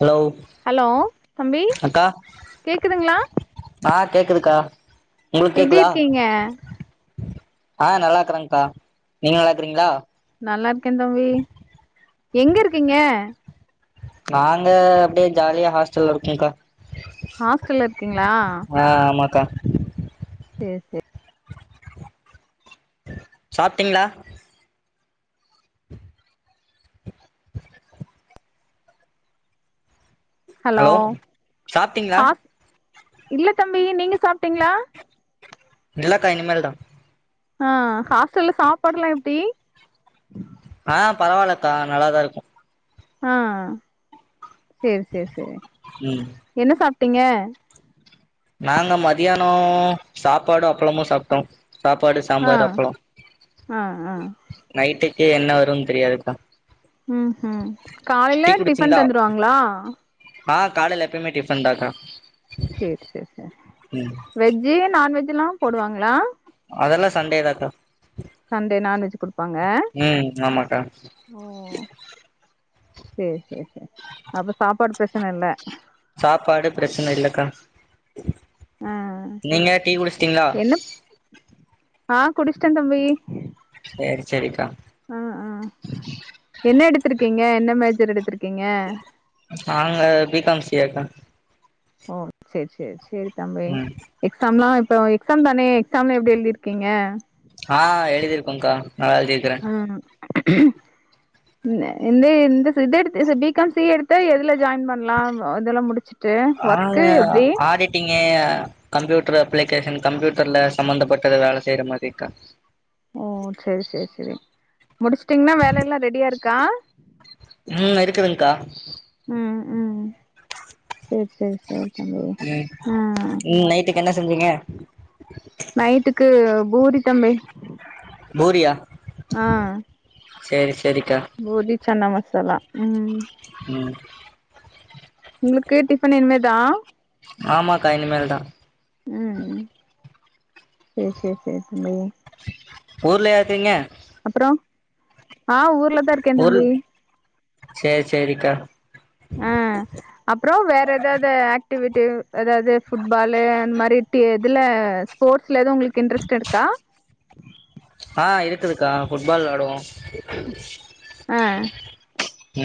hello hello தம்பி அக்கா கேக்குதுங்ளா ஆ கேக்குதுக்கா உங்ளுக் எப்டி கேக்குதா இருக்கீங்க ஆ நல்லாக்கறங்க்கா நீங்க நல்லாருக்குறீங்ளா நல்லார்க்கேந் தம்பி எங்க இருக்கீங்க நாங்க அப்டியே ஜாலியா ஹாஸ்டல்ல இருக்கேங்க்கா ஹாஸ்டல்ல இருக்கீங்ளா அ ஆமாக்கா சேர் சேர் சாப்ட்டீங்ளா ஹலோ சாப்ட்டீங்களா ஹாஸ் இல்லத் தம்பி நீங்க சாப்ட்டீங்ளா இல்லக்கா இனிமேல்தா ஆ ஹாஸ்டல்ல சாப்பாடுலா எப்டி ஆ பரவாலக்கா நல்லாதா இருக்கு ஆ சேர் சேர் சேரி ம் என்ன சாப்டீங்க நாங்க மதியானோ சாப்பாடு அப்பளமு சாப்டோ சாப்பாடு ஆ சாம்பாரு அப்ளோ ஆ ஆ நைட்டுக்கே என்ன வரும்னு தெரியாதுக்கா ம் டீ காலையில டிஃபன் குடிச்சீங்களா தந்துருவாங்களா ஆ காலேல எப்பயுமே ஃடிபன் தாக்கா சேர் சேர் சேரி ம் வெஜ்ஜு நான்வெஜ்ஜ்லா போடுவாங்களா அதல்லா சண்டே தாக்கா சண்டே நான்வெஜ் கொடுத் ம் ஆமாக்கா ஓ சேர் சேர் அப்பற சாப்பாடு பிரச்சன இல்ல சாப்பாடு பிரச்சன இல்லக்கா ஆ நீங்க டீ குடிச்சிட்டீங்களா என்ன ஆ குடிச்சட தம்பி சேரி சேரிக்கா ஆ ஆ என்ன எடுத்திருக்கீங்க என்ன மேஜர் எடுத்திருக்கீங்க நாங்க பிகாம் சிஏக்கா ஓ சேர் சேர் சேரி தம்பி ம் எக்ஸாம் எல்லா இப்போ எக்ஸாம் தானே எக்ஸாம் எல்லா எப்டி எழுதிருக்கீங்க ஆ எழுதுருக்கோக்கா நல்லா எழுதியிருக்க ம்ம் இந்த இந்த இத எத எடுத்து பிகம் சி ஏ எடுத்தா எதுல ஜாயின் பண்ணலா இதெல்லா முடிச்சு ட்டு ஒர்க்கு எப்டி இங்க கம்ப்யூட்டர் அப்ளிகேஷன் கம்ப்யூட்டர்ல சம்பந்தப்பட்டத வேலை செய்யற மாதிரிக்கா ஓ சேரி சேரி சேரி முடிச்சுட்டீங்கன்னா வேல எல்லா ரெடியா இருக்கா ம் இருக்குதுங்க்கா ம் ம் சேரி சேரி சேரி தம்பி ம் ஆ ம் நைட்டுக்கு என்ன செஞ்சிங்க நைட்டுக்கு பூரி தம்பி பூரியா ஆ சேரி சேரிக்கா பூரி சன்னா மசாலா ம் ம் உங்களுக்கு டிஃபன் இனிமேதா ஆமாக்கா இனிமேல் தா ம் சேரி சேரி சேரி ஊர்லயா இருக்கீங்க அப்பறம் ஆ ஊர்ல ஊர்ல் சேரி சேரிக்கா ஆ அப்பற வேற எதாவது ஆக்டிவிட்டிவ் அதாவது ஃபுட்பாலு அந்த மாதிரி இதுல ஸ்போர்ட்ஸில் எதுவு உங்களுக்கு இன்ட்ரெஸ்ட் இருக்கா ஆ இருக்குதுக்கா ஃபுட்பால் விளையாடுவோ ஆ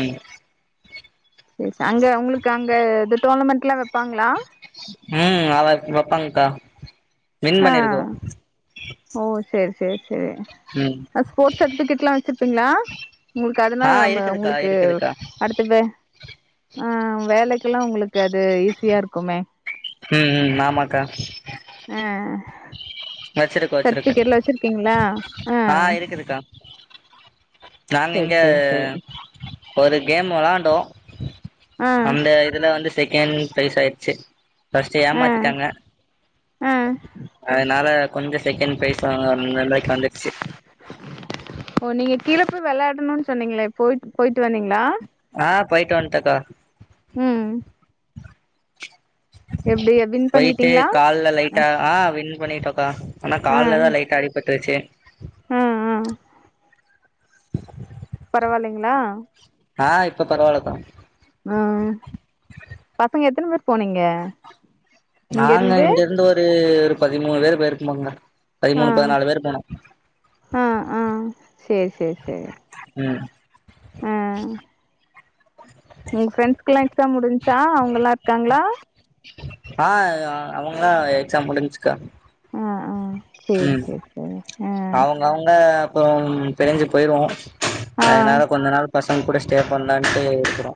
ம் சேரி சேரி அங்க உங்களுக்கு அங்க இது டோர்னமெண்ட் எல்லா வைப்பாங்களா ம் அவ வைப்பாங்க்கா ஆ ஓ சேர் சேர் சேரி ம் ஸ்போர்ட்ஸ் சர்ட்டிஎஃபிகேட் எல்லா வச்சிருப்பீங்களா உங்களுக்கு ஆ அதனால இருக்குதுக்கா உங்களுக்கு இருக்குதுக்கா அடுத்துப் பே ஆ வேலைக்கெல்லா உங்களுக்கு அது ஈஸியா இருக்குமே ம் ம் ஆமாக்கா ஆ அ வச்சிருக்கோ வச்சிருக்கோ சர்ட்டிபிகேட்லா வச்சிருக்கீங்களா ஆ நாங்க சரி இங்க சரி சரி ஒரு கேம் வெளாண்டோ ஆ அந்த இதுல வந்து செகண்ட் ப்ரைஸ் ஆயிட்ச்சு பஸ்ட்டு ஆ ஏமாத்திட்டாங்க ஆ அதுனால கொஞ்ச செகண்ட் ப்ரைஸ் வாங்குற நிலைக்கு வந்துர்ச்சு ஓ நீங்க கீழ போய் வெளாயாடணுன்னு சொன்னீங்களே பொய்ட் பொயிட்டு வந்தீங்களா ஆ பொய்ட் வன்ட்க்கா ம் எப்டி வின் பொய்ட்டு பண்ணிட்டீங்களா கால்ல அ லைட்டா ஆ வின் பண்ணிட்டோக்கா ஆனா கால்லதா லைட்டா அடிபட்ருச்சு ம் ஆ [inaudible] பரவாயில்லைங்களா ஆ இப்ப பரவால்லக்கா ம் ம் பசங்க எத்தன பேர் போனீங்க நாங்க இங்க இருந்து ஒரு ஒரு பதிமூணு பேரு போயிருப்போங்கக்கா ஆ பதிமூணு பதுனாலு பேர் போனோம் ஆ ஆ சேரி சேரி சேரி ம் அ அ உங்க ஃப்ரெண்ட்ஸ்க்குல்லா எக்ஸாம் முடிஞ்சுச்சா அவுங்கல்லா இருக்காங்களா ஆ அவுங்கலா எக்ஸாம் முடிஞ்ச்சுக்கா ஆ ஆ சேரி சேரி சேரி அ அ அவுங்க அப்பறோ பிரிஞ்சு போய்ருவோம் ஆ அதுனால கொஞ்ச நாள் பசங்க கூட ஸ்டே பண்லான்ட்டு இருக்குறோ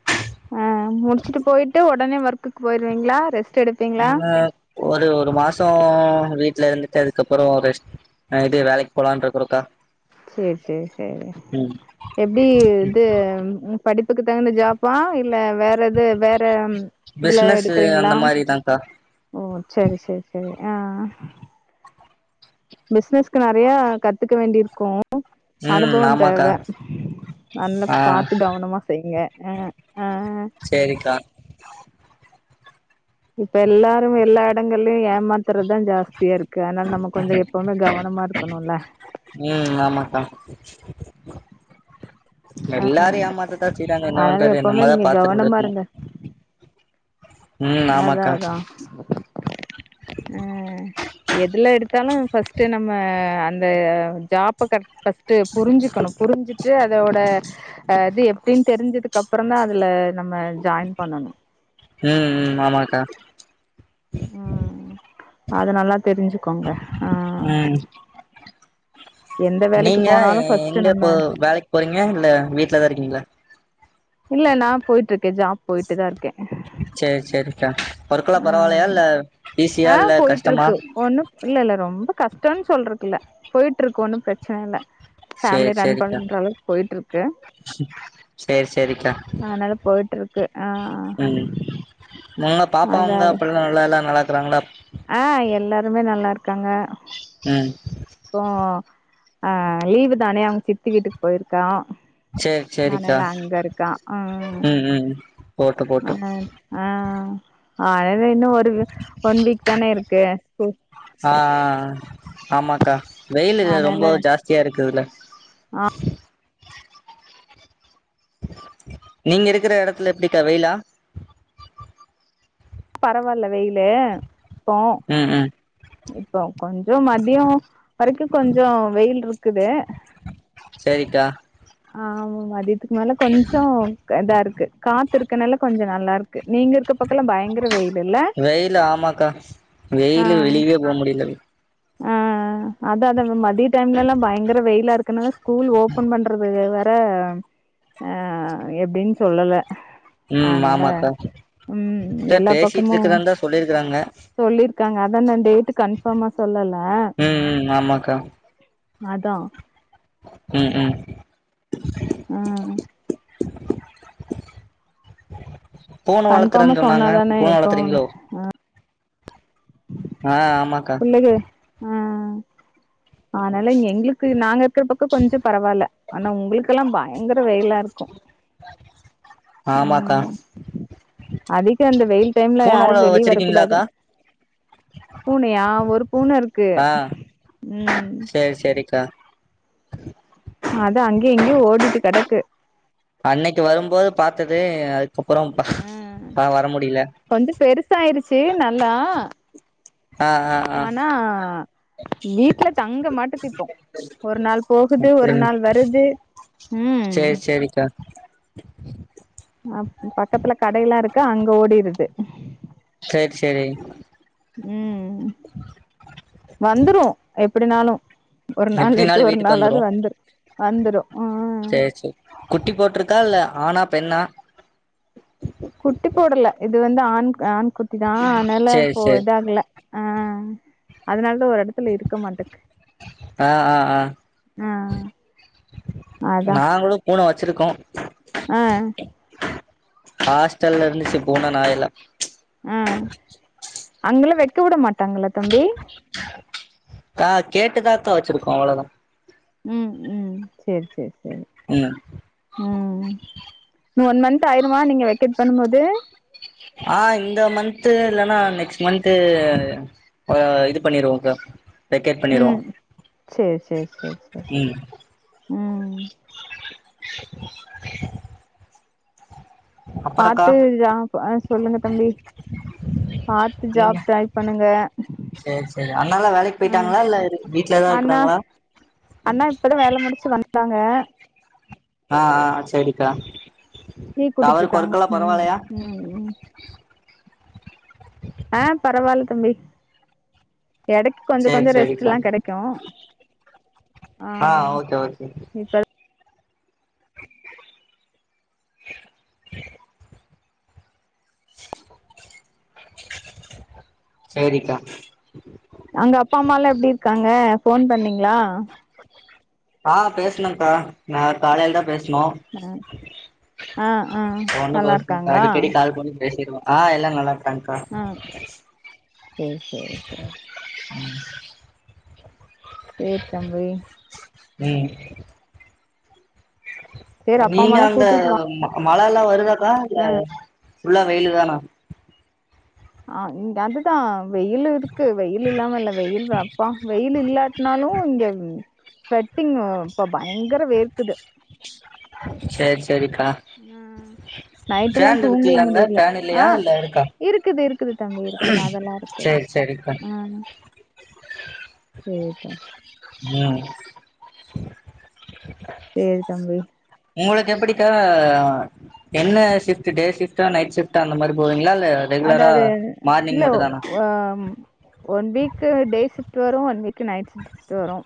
அ முடிச்சுட்டு பொயிட்டு ஒடனே ஒர்க்குக்கு போயிர்வீங்களா ரெஸ்ட் எடுத் ன்ன ஒரு ஒரு மாசோ வீட்ல இருந்துட்டு அதுக்கப்பறோ ரெஸ்ட் நைட்டே வேலைக்கு போலான்ட்டு இருக்குறோங்கா சேரி சேரி சேரி எப்டி இது படிப்புக்கு தகுந்த ஜாப்பா இல்ல வேற எது வேற இதுல பிசினஸ் எடுக்குறீங்ளா அந்த மாரிதான்க்கா ஓ செரி செரி செரி அ ஆ பிசினஸ்க்கு நெறையா கத்துக்க வேண்டியிருக்கு ம் அனுபவோ ஆமாக்கா தேவ நல்லா ஆ பாத்து கவனமா செய்ங்க அ அ அ சேரிக்கா இப்ப எல்லாரும் எல்லா எடங்கள்லயு ஏமாத் த்துறதா ஜாஸ்தியா இருக்கு அதுனால நம்ம கொஞ்ச எப்பவுமே கவனமா இருக்கணுல்ல ம் ஆமாக்கா எல்லாரு ஏமாத்தத்தா செய்றாங்க என்ன அதனால பண்றது எப்பவுமே நம்மதா நீங்க பாத்து கவனமா இருந்துக்கணு இருங்க அதா அதா ம் ம் எதுல எடுத்தாலு ஃபஸ்ட்டு நம்ம அந்த ஜாப்ப கட் ஃபஸ்ட்டு புரிஞ்சுக்கணு புரிஞ்சுட்டு அதோட அஹ் அது எப்டின்னு தெரிஞ்சதுக்கு அப்புறோதா அதுல நம்ம ஜாயின் பண்ணணு ம் ம் ஆமாக்கா ம் அத நல்லா தெரிஞ்சுக்கோங்க ஆ ம் எந்த வேலைக்கு நீங்க போனாலு ஃபர்ஸ்ட் எங்க போ நம்ம வேலைக்கு போறீங்க இல்ல வீட்லதா இருக்கீங்ளா இல்ல நா போய்ட்டு இருக்கே ஜாப் போய்ட்டு தா இருக்கே சேரி சேரிக்கா ஒர்க்கெல்லா பரவாயில்லயா ஆ இல்ல ஈஸியா இல்ல கஷ்டமா ஒன்னு இல்ல இல்ல ரொம்ப கஷ்டோன்னு சொல்றக்குல போய்ட்டுருக்கு ஒன்னு பிரச்சன இல்ல ஃபேமிலி சேரி ரன் சேரிக்கா பன்ற அளவுக்கு போய்ட்டுருக்கு சேரி சேரிக்கா அதனால போய்ட்டு இருக்கு ஆ ம் உங்க பாப்பா அதா அவங்க அதா அப்பா எல்லா நல்லா இருக்குறாங்களா ஆ எல்லாருமே நல்லா இருக்காங்க ம் இப்போ அ லீவு தானே அவங்க சித்தி வீட்டுக்கு போயிருக்கா சேரி சேரிக்கா அதனால அங்க இருக்கா ஆஹ் ம் ம் போட்டு போட்டு ஆஹ் ஆஹ் அதுல இன்னு ஒரு ஒன் வீக் தானே இருக்கு ஸ்கூல் ஆஹ் ஆமாக்கா வெயிலு அதனால ரொம்ப ஜாஸ்தியா இருக்குதுல நீங்க இருக்கிற எடத்துல எப்டிக்கா வெயிலா பரவால்ல வெயிலு இப்போ ம் ம் இப்போ கொஞ்சோ மதியோ வரைக்கு கொஞ்சோ வெயிலுருக் க்குது சரிக்கா ஆஹ் மதியத்துக்கு மேல கொஞ்சோ இதா இருக்கு காத்துருக்கனால கொஞ்சோ நல்லாருக்கு நீங்க இருக்க க்கல்லாபயங்கரோ வெயிலு இல்ல வெயிலு ஆமாக்கா வெயிலு ஆஹ் வெளியவே போ முடில ஆஹ் அதா அதா மதிய டைம்லல்லா பயங்கர வெயிலா இருக்குனு ஸ்கூல் ஓபன் பண்றது ஆஹ் ஆஹ் எப்டின்னு சொல்லல ம் அதனால ஆமாக்கா உம் அக்கா எல்லா பேசிட்டு பக்கமு இருக்கிறந்தா சொல்லிருக்கறாங்க சொல்லிருக்காங்க அதா இன்னு டேட்டு கன்ஃபாமா சொல்லல ம் ம் ஆமாக்கா அதா உம் உம் ஆஹ் பூன கன்ஃபார்மா வளத்துறேன்னு சொன்னாங்க சொன்னாதானே பூன வளத்துரீங்ளோ எப்போன்னு ஆஹ் ஆமாக்கா எது அஹ் ஆனால எங்குளுக்கு நாங்க இருக்கிற பக்கோ கொஞ்சோ பரவாயில்ல ஆனா உங்களுக்கெல்லா பயங்கர வெயிலா இருக்கு ஆமாக்கா ம் அதிக இந்த வெயில் டைம்ல பூன யாரு வள வெளிய வரக்கூடாது வச்சிருக்கீங்களாக்கா பூனையா ஒரு பூனருக்கு சேரி சேரிக்கா அதா அங்கே இங்கயு ஓடிட்டு கடக்கு அன்னைக்கு வரும்போது பாத்தது அதுக்கப்பறம் பா ஆஹ் வர முடில கொஞ்ச பெருசாயிருச்சு நல்லா ஆ ஆ ஆ ஆனா வீட்டுல தங்க மாட்டுதிப்போ ஒரு நாள் போகுது ஒரு நாள் வருது உம் சேரி சேரிக்கா அ பக்கத்துல கடையெல்லாம் இருக்கு அங்க ஓடிருது சேர் சேரி உம் வந்துரும் எப்டினாலும் ஒரு நாள் விட்டு எப்டினாலு ஒரு வீட்டுக்கு நாளாவது வந்துரும் வந்துரும் ம் சேர் சேர் குட்டி போட்டிருக்கா இல்ல ஆனா பெண்ணா குட்டி போடல இது வந்து ஆண் ஆண் குட்டி தான் அதனால சேரி இப்போ சேரி இதாகல ஆ அதனால ஒரு எடத்துல இருக்க மாட்டுக்கு ஆ அ நாங்களும் பூன‌ வச்சிருக்கோம் ஆ ஹாஸ்டல்ல இருந்துச்சு பூன நாய்யெல்ல ஆ அங்கலாம் வெக்க விட மாட்டாங்கள தம்பி ஆ கேட்டுதாக்கா வச்சிருக்கோம் அவ்ள தான் உம் உம் சேர் சேர் சேரி உம் ம் ஒன் மந்த் ஆயிருமா நீங்க வெக்கேட் பண்ணும் போது ஆ இந்த மந்த்து இல்லன்னா நெக்ஸ்ட் மந்த்து அ இது பண்ணிருவோங்கா வெக்கேட் பண்ணிருவோ சேர் சேர் சேர் சே ம் ம் அப்பறக்கா பாத்து ஆ அ சொல்லுங்க தம்பி பாத்து ஜாப் ட்ரை பண்ணுங்க சேர் சேர் அண்ணால்லா வேலைக்கு ஆ போயிட்டாங்களா இல்ல வீட்ல தான் அண்ணா இருக்குறாங்களா அண்ணா இப்பதா வேல முடிச்சு வந்தாங்க ஆ ஆ சரிக்கா டீ இப்ப குடிச்சிட்டு அவருக்கு இருக்காங்க ஓர்க்குலாம் ம் பரவால்லயா ம் ம் ஆ பரவால்ல தம்பி எடக்கு கொஞ்ச சேரி கொஞ்ச ரெஸ்ட் எல்லா சேரிக்கா கிடைக்கும் ஆ ஓகே ஓகே இப் சேரிக்கா அங்க அப்பா அம்மா எல்லாம் எப்டி இருக்காங்க ஃபோன் பண்ணீங்ளா ஆ பேசுனேக்கா நா காலேல தா பேசுனோம் ஆ ஆ ஒண்ணு நல்லா பேச இருக்காங்களா அடிக்கடி கால் பண்ணி பேசிருவோம் ஆ எல்லா நல்லாருக்காங்கா ஆ சே சே சே ம் சேர் தம்பி ம் சேரி அப்பா நீங்க அம்மாலா அங்க கூட்டிட்டு வா மா மழ எல்லா வருதாக்கா ஆ இல்ல ஃபுல்லா வெயிலு தானா ஆ இங் அதுதான் வெயிலு இருக்கு வெயிலு இல்லாமல்ல வெயில்தா அப்பா வெயிலு இல்லாட்டனாலும் இங்க ஸ்வெட்டிங் ப பயங்கர வேர்க்குது சேர் சேரிக்கா ம் நைட் எல்லா ஃபேன் தூங்க இருக்குல்ல அங்க முடில ஃபேன் ஆ இல்லையா இல்ல இருக்கா இருக்குது இருக்குது தம்பி இருக்குது அதெல்லா இருக்குது செரிக்கா சேரிபா ம் சேரி தம்பி உங்களுக் எப்டிக்கா என்ன ஷிப்ட்டு டே ஷிப்டா நைட் ஷிப்ட் அந்த மாரி போவீங்ளா அதாது இல்ல வா ம் ஒன் வீக்கு டே ஷிப்ட்டு வரு ஒன் வீக் நைட் ஷிப்ட்டு வரு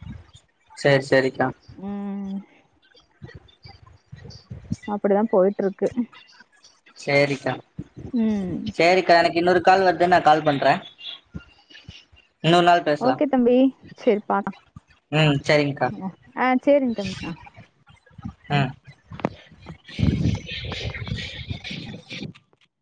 சேர் சேரிக்கா ம் அப்டிதா போய்ட்ருக்கு சேரிக்கா ம் சேரிக்கா எனக் இன்னோரு கால் வருது நா கால் பண்றே இன்னோர் நாள் பேசலா ஓகே தம்பி சேரி பா ம் சேரிங்க்கா ஆ சேரிங் தம்பி ஆ ம்